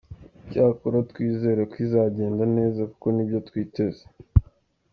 Icyakora twizere ko izagenda neza kuko nibyo twiteze.